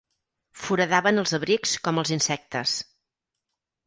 Foradaven els abrics com els insectes.